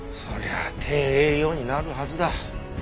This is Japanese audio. そりゃ低栄養になるはずだ。